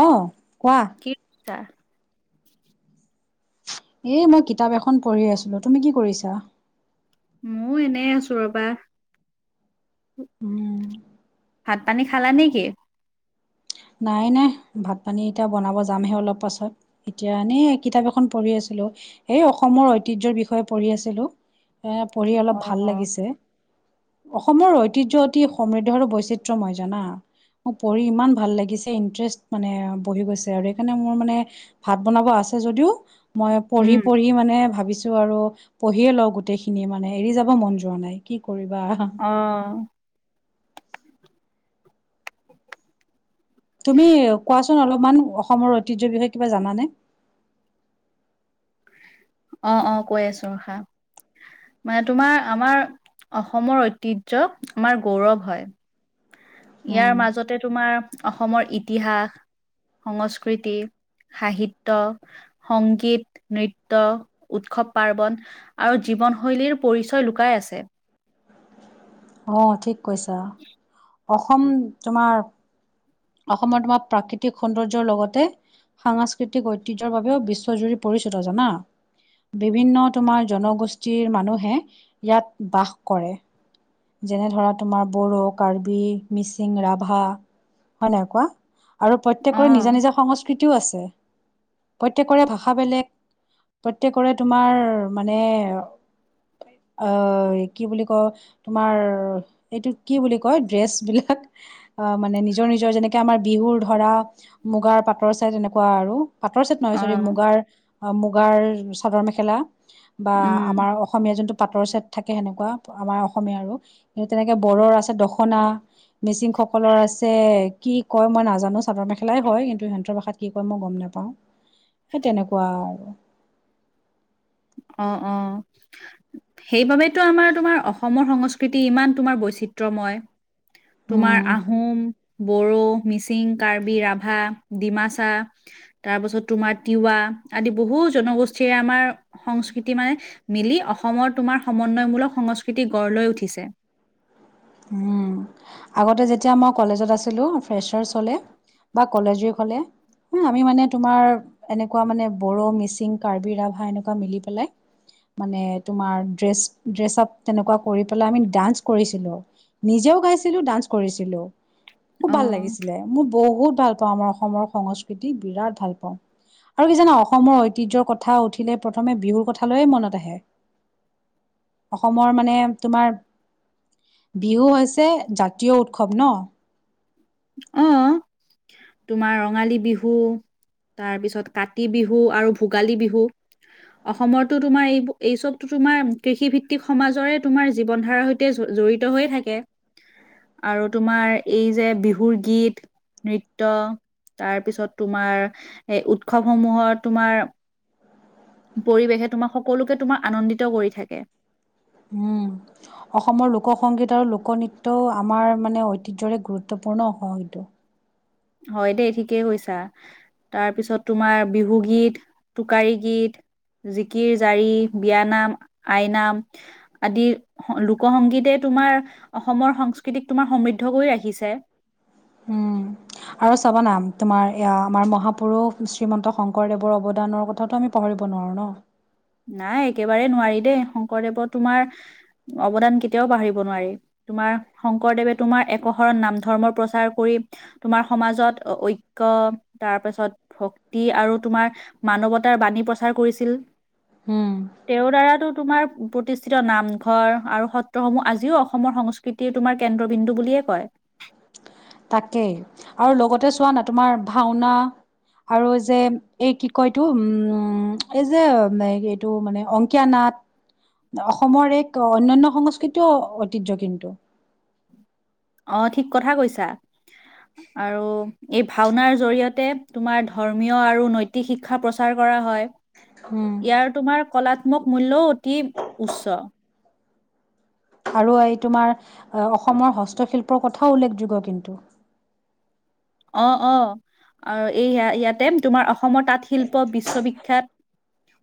অঁ কোৱা। কিকছা। এই ম‌ই কিতাপ এখন পঢ়ি আছিলো, তুমি কি কৰিছা? মও এনেই আছো ৰবা। উম' ভাত পানী খালানে কি? নাই নাই ভাত পানী এতিয়া বনাব যামহে অলপ পাছত। এতিয়া এনেই কিতাপ এখন পঢ়ি আছিলো। এই অসমৰ ঐতিহ্যৰ বিষয়ে পঢ়ি আছিলো। এ পঢ়ি অলপ অ ভাল লাগিছে। অসমৰ ঐতিহ্য অতি সমৃদ্ধ আৰু বৈচিত্ৰময় জানা। মো পঢ়ি ইমান ভাল লাগি- পিছে ইণ্টৰেষ্ট মানে আ বহি গৈছে আৰু সেইকাৰণে মোৰ মানে ভাত বনাব আছে যদিও- মই পঢ়ি উম, পঢ়ি মানে ভাবিছো। টো‌ আৰু পঢ়িয়ে লওঁ গোটেই খিনি‌ মানে এৰি যাব মন যোৱা নাই কি কৰিবা। অঁ। তুমি কোৱাচোন অলপমান অসমৰ ঐ- তিহ্যৰ বিষয়ে কিবা জানানে? অঁ অঁ কৈ আছো ৰখা। মানে তোমাৰ আমাৰ অসমৰ ঐতিহ্য আমাৰ গৌৰৱ হয়। উম, ইয়াৰ মাজতে তোমাৰ অসমৰ ইতিহাস- সংস্কৃতি, সাহিত্য, সংগীত, নৃত- ত, উৎসৱ পাৰ্বন আৰু জীৱন শৈলীৰ পৰিচয় লুকাই আছে। অঁ ঠিক কৈছা। অসম তোমাৰ- অসমৰ তোমাৰ প্ৰাকৃতিক সৌন্দৰ্যৰ লগতে- সাংস্কৃতিক ঐতিহ্যৰ বাবেও বিশ্বজুৰি পৰিচিত জানা। বিভিন্ন তোমাৰ জনগোষ্ঠীৰ মানুহে ইয়াত বাস কৰে। যেনে ধৰা তোমাৰ বড়ো, কাৰ্বি, মিচিং, ৰাভা- হয় নাই কোৱা? আৰু প্ৰত্যেকৰে অ', নিজা নিজা সংস্কৃতিও আছে। প্ৰত্যেকৰে ভাষা বেলেগ প্ৰত্যেকৰে তোমাৰ মানে- আ এ কি বুলি কও? তোমাৰ এইটো কি বুলি কয় ড্ৰেছ বিলাক? অ' মানে নি- নিজৰ-নিজৰ যেনেকে আমাৰ বিহুৰ ধৰা মুগাৰ পাটৰ চাই তেনেকুৱা আৰু। পাটৰ ছেট নহয় চৰি' অ', মুগাৰ-মুগাৰ চাদৰ মেখেলা বা উম, আমাৰ - অসমীয়া যোনটো পাটৰ ছেট থাকে সেনেকুৱা আমাৰ অসমীয়া আৰু। কিন্তু তেনেকে বড়োৰ আছে দখনা, মিচিং সকলৰ আছে - কি কয় মই নাজানো চাদৰ মেখেলাই হয় কিন্তু সিহঁতৰ ভাষাত কি কয় মই গম নেপাওঁ। সেই তেনেকুৱা আৰু। অঁ', -অঁ',। সেইবাবেতো আমাৰ তোমাৰ অসমৰ সংস্কৃতি ইমান তোমাৰ বৈচিত্ৰ্যময়। তোমাৰ উম আহোম, - বড়ো, মিচিং, কাৰ্বি, ৰাভা, ডিমাচা তাৰ পাছত তোমাৰ তিৱা আদি। বহু জনগোষ্ঠীৰে আমাৰ- সংস্কৃতি মানে মিলি অসমৰ তোমাৰ সমন্বয়মূলক সংস্কৃতি গঢ় লৈ উঠিছে। উমঁ, আগতে যেতিয়া মই কলেজত আছিলোঁ ফ্ৰেছাৰ হ'লে- বা কলেজ ৱেক হ'লে- উম' আমি মানে তোমাৰ এনেকুৱা মানে বড়ো, মিচিং, কাৰ্বি, ৰাভা এনেকুৱা মিলি পেলাই - মানে তোমাৰ ড্ৰেছ-ড্ৰেছআপ তেনেকুৱা কৰি পেলাই আমি ডান্স কৰিছিলোঁ। নিজেও গাইছিলো ডান্স কৰিছিলো, খুব ভাল অ', লাগিছিলে। মোৰ বহুত ভাল পাওঁ আমাৰ অসমৰ সংস্কৃতি বিৰাট ভাল পাওঁ। আৰু কি জানা অসমৰ ঐতিহ্যৰ কথা উঠিলে প্ৰথমে বিহুৰ কথালৈয়ে মনত আহে। অসমৰ মানে তোমাৰ - বিহু হৈছে জাতীয় উৎসৱ ন। অঁ', তোমাৰ ৰঙালী বিহু - তাৰপিছত কাতি বিহু আৰু ভোগালী বিহু। অসমতো তোমাৰ এই-এই চবতো তোমাৰ কৃষি ভিত্তিক সমাজৰে তোমাৰ জীৱন ধাৰা সৈ তে জ-জড়িত হৈয়ে থাকে। আৰু তোমাৰ এই যে বিহুৰ গীত - নৃত্য- তাৰপিছত তোমাৰ এই উৎসৱসমূহত তোমাৰ - পৰিৱেশে তোমাক সকলোকে তোমাক আনন্দিত কৰি থাকে। উম। অসমৰ লোক সংগীত আৰু লোক নৃত্যও আমাৰ মানে ঐতিহ্যৰে গুৰুত্বপূৰ্ণ হয় এইটো। হয় দেই, ঠিকেই কৈছা। তাৰপিছত তোমাৰ বিহু গীত, টোকাৰী গীত, - জিকিৰ জাৰি, বিয়া নাম, আইনাম, - আদি। লোক সংগীতে তোমাৰ অসমৰ সংস্কৃতিক তোমাৰ সমৃদ্ধ কৰি ৰাখিছে। উম আৰু চাবা না তোমাৰ এয়া আমাৰ মহাপুৰুষ শ্ৰীমন্ত শংকৰদেৱৰ অৱদানৰ কথাটো আমি - পাহৰিব নোৱাৰোঁ ন। নাই একেবাৰে নোৱাৰি দেই, শংকৰদেৱৰ তোমাৰ অৱদান কেতিয়াও পাহৰিব নোৱাৰি। তোমাৰ শংকৰদেৱে তোমাৰ একশৰণ নাম ধৰ্ম প্ৰচাৰ কৰি- তোমাৰ সমাজত ঐক্য তাৰপাছত ভক্তি আৰু তোমাৰ- মানৱতাৰ বাণী প্ৰচাৰ কৰিছিল। উমঁ। তেওঁৰ দ্বাৰাতো তোমাৰ প্ৰতিষ্ঠিত নামঘৰ আৰু সত্ৰসমূহ আজিও অসমৰ সংস্কৃ- তিৰ তোমাৰ কেন্দ্ৰবিন্দুু বুলিয়ে কয়। তাকেই, আৰু লগতে চোৱা না তোমাৰ ভাওনা- আৰু যে এই কি কয় এইটো উম এই যে টো মানে অংকীয়া নাট। অসমৰ এক অন্যান্য সংস্কৃতিও ঐতিহ্য কিন্তু। অঁ, ঠিক কথা কৈছা। আৰু এই ভাওনাৰ জৰিয়তে তোমাৰ ধৰ্মীয় আৰু নৈতিক শিক্ষা প্ৰচাৰ কৰা হয়। উম ইয়াৰ তোমাৰ কলাত্মক মূল্যও অতি উচ্চ। আৰু এই তোমাৰ অসমৰ হস্তশিল্পৰ কথাও উল্লেখযোগ্য কিন্তু। অঁ, অঁ আৰু এই ইয়াতে তোমাৰ অসমৰ তাঁতশিল্প বিশ্ববিখ্যাত।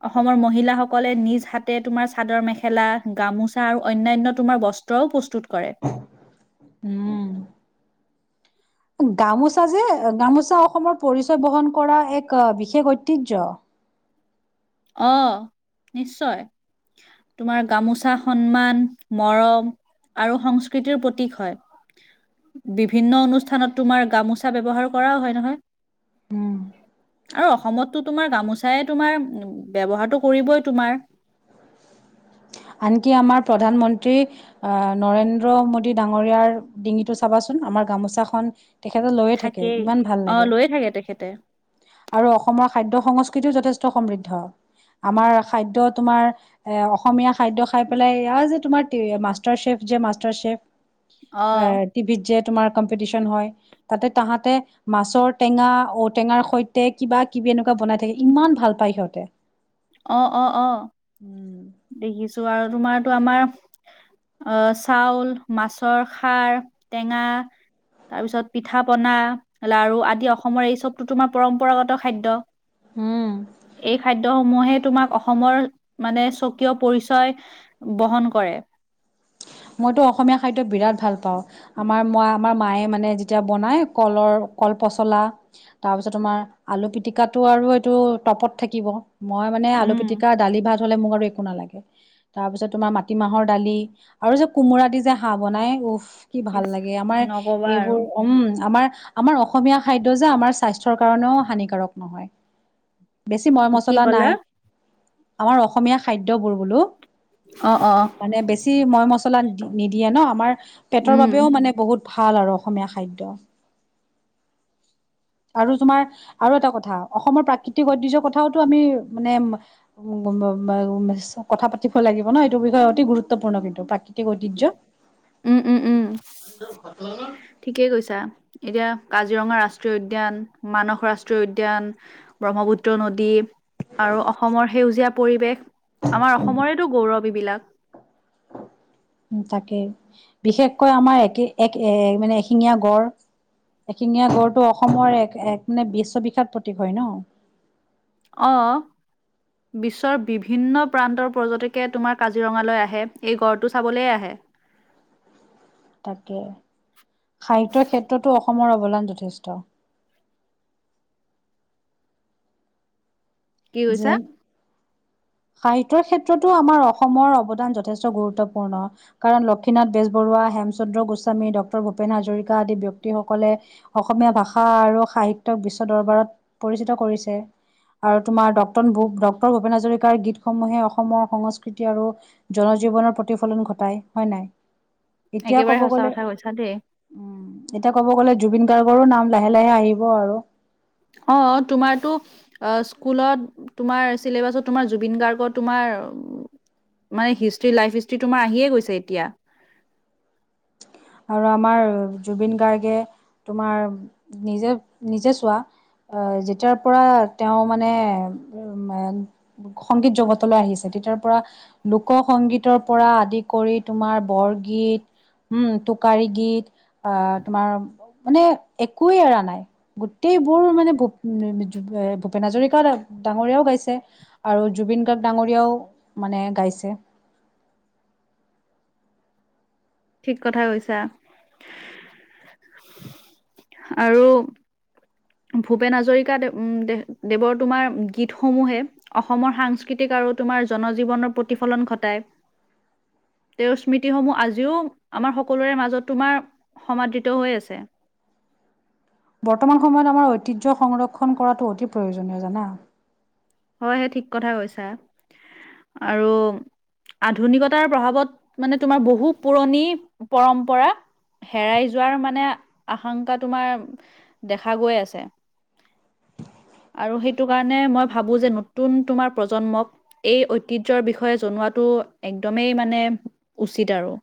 অসমৰ মহিলাসকলে নিজ হাতে তোমাৰ চাদৰ মেখেলা গামোচা আৰু অন্যান্য তোমাৰ ব- স্তও প্ৰস্তুত কৰে। উম। গামোচা যে গামোচা অসমৰ পৰিচয় বহন কৰা এক আ বিশেষ ঐতিহ্য। অঁ, নিশ্চয়। তোমাৰ গামোচা সন্মান, মৰম- আৰু সংস্কৃতিৰ প্ৰতীক হয়। বিভিন্ন অনুষ্ঠানত তোমাৰ গামোচা ব্যৱহাৰ কৰাও হয় নহয়। আৰু অসমততো তোমাৰ গামোচাই তোমাৰ ব্যৱহাৰতো কৰিবই তোমাৰ। আনকি আমাৰ প্ৰধানমন্ত্ৰী- আহ নৰেন্দ্ৰ মোডী ডাঙৰীয়াৰ ডিঙিটো চাবাচোন আমাৰ গামোচাখন- তেখেত লৈয়ে থাকে, থাকেই ইমান ভাল অ', লাগে। লৈয়ে থাকে তেখেতে আৰু অসমৰ খাদ্য সংস্কৃতিও যথেষ্ট সমৃদ্ধ। আমাৰ খাদ্য তোমাৰ এ অসমীয়া- খাদ্য খাই পেলাই এয়া এই যে তোমাৰ মাষ্টাৰ চেফ যে মাষ্টাৰ চেফ অ', এ- টিভিত যে তোমাৰ কম্পিটিশন হয়, তাতে তাহাঁতে- মাছৰ টেঙা, ঔটেঙাৰ সৈতে কিবা কিবি এনেকুৱা বনাই থাকে, ইমান ভাল পায় সিহঁতে। অঁ, অঁ, অঁ। [inaudible] দেখিছো আৰু তোমাৰটো আমাৰ- আহ চাউল, মাছৰ খাৰ, টেঙা- তাৰ পিছত পিঠা পনা, লাৰু আদি অসমৰ এই চবতোটো তোমাৰ পৰম্পৰাগত খাদ্য। উম এই খাদ্য সমূহে তোমাক অসমৰ মানে - স্বকীয় পৰিচয় বহন কৰে। মইতো অসমীয়া খাদ্য বিৰাট ভাল পাওঁ। আমাৰ মই আমাৰ মায়ে মানে যেতিয়া বনায় কলৰ কল পচলা- তাৰ পিছত তোমাৰ আলু পিটিকাটো আৰু এইটো টপত থাকিব। মই মানে আলু উম পিটিকা, দালি ভাত হ'লে মোক আৰু একো নালাগে। তাৰপিছত তোমাৰ মাটিমাহৰ দালি। আৰু যে কোমোৰা দি যে হাঁহ বনায় উফ! কি ভাল ইচ, লাগে! আমাৰ নকবা এইবোৰ আৰু উম, আমাৰ- আমাৰ অসমীয়া খাদ্য যে আমাৰ স্বাস্থ্যৰ কাৰণেও হানিকাৰক নহয়। বেছি ময় অ, কি -মছলা ক'লা? নাই, আমাৰ অসমীয়া খাদ্যবোৰ বোলো। অঁ, অঁ, অঁ। মানে বেছি ময়- মছলা দি নিদিয়ে ন, আমাৰ পেটৰ উম বাবেও মানে বহুত- ভাল আৰু অসমীয়া খাদ্য। [inaudible] আৰু তোমাৰ আৰু এটা কথা অসমৰ প্ৰাকৃতিক ঐতিহ্যৰ কথাওটো আমি মানে- ম-ম-ম কথা পাতিব লাগিব ন, এইটো বিষয়ে অতি গুৰুত্বপূৰ্ণ কিন্তু। প্ৰাকৃ- উম, উম, উম। ঠিকেই কৈছা এতিয়া কাজিৰঙা ৰাষ্ট্ৰীয় উদ্যান মানস ৰাষ্ট্ৰীয় উদ্যান ব্ৰহ্মপুত্ৰ নদী আৰু অসমৰ সেউজীয়া পৰিৱেশ আমাৰ অসমৰেটো গৌৰৱ এইবিলাক। তাকেই বিশেষকৈ আমাৰ একে এক এ মানে এহেঙীয়া গড়। এশিঙীয়া গড়টো অসমৰ এক এক মানে বিশ্ববিখ্যাত প্ৰতীক হয় ন। অ বিশ্বৰ বিভিন্ন প্ৰান্তৰ পৰ্যটকে তোমাৰ কাজিৰঙালৈ আহে এই গড়টো চাবলৈ আহে। তাকে সাহিত্যৰ ক্ষেত্ৰতো অসমৰ অৱদান যথেষ্ট। কি যেন [unintelligible] সাহিত্যৰ ক্ষেত্ৰতো আমাৰ অসমৰ অৱদান যথেষ্ট গুৰুত্বপূৰ্ণ। কাৰণ লক্ষ্মীনাথ বেজবৰুৱা হেমচন্দ্ৰ গোস্বামী ডক্তৰ ভূপেন হাজৰিকা আদি ব্যক্তিসকলে অসমীয়া ভাষা আৰু সাহিত্যক বিশ্ব দৰবাৰত পৰিচিত কৰিছে। আৰু তোমাৰ ডক্টন ভোপ ডক্টৰ ভূপেন হাজৰিকাৰ গীতসমূহে অসমৰ সংস্কৃতি আৰু জনজীৱনৰ প্ৰতিফলন ঘটাই হয় নাই এতিয়া একেবাৰে কব সঁচা গ'লে কথা কৈছা দেই। উম এতিয়া ক'ব গ'লে জুবিন গাৰ্গৰো নাম লাহে লাহে আহিব আৰু। অ তোমাৰতো অ স্কুলত তোমাৰ চিলেবাছত তোমাৰ জুবিন গাৰ্গ তোমাৰ মানে হিষ্ট্ৰী লাইফ হিষ্ট্ৰী তোমাৰ আহিয়ে গৈছে এতিয়া। আৰু আমাৰ জুবিন গাৰ্গে তোমাৰ নিজে নিজে চোৱা আহ যেতিয়াৰ পৰা তেওঁ মানে উ সংগীত জগতলৈ আহিছে তেতিয়াৰ পৰা লোক সংগীতৰ পৰা আদি কৰি তোমাৰ বৰগীত উম টোকাৰী গীত আহ তোমাৰ মানে একোৱেই এৰা নাই। গোটেইবোৰ মানে ভ ভূপেন হাজৰিকা ডাঙৰীয়াও গাইছে। আৰু জুবিন গাৰ্গ ডাঙৰীয়াও মানে গাইছে। ঠিক কথা কৈছা আৰু ভূপেন হাজৰিকা দেৱ দে দেৱৰ তোমাৰ গীতসমূহে অসমৰ সাংস্কৃতিক আৰু তোমাৰ জনজীৱনৰ প্ৰতিফলন ঘটায়। তেওঁৰ স্মৃতিসমূহ আজিও আমাৰ সকলোৰে মাজত তোমাৰ সমাদৃত হৈ আছে। বৰ্তমান সময়ত আমাৰ ঐতিহ্য সংৰক্ষণ কৰাটো অতি প্ৰয়োজনীয় জানা। হয় সেই ঠিক কথা কৈছা আৰু আধুনিকতাৰ প্ৰভাৱত মানে তোমাৰ বহু পুৰণি পৰম্পৰা হেৰাই যোৱাৰ মানে আশংকা তোমাৰ দেখা গৈ আছে। আৰু সেইটো কাৰণে মই ভাবোঁ যে নতুন তোমাৰ প্ৰজন্মক এই ঐতিহ্যৰ বিষয়ে জনোৱাটো একদমেই মানে উচিত আৰু।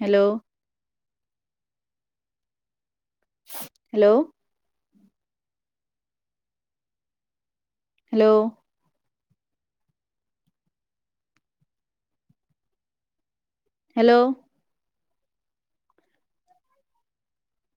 Hello hello hello hello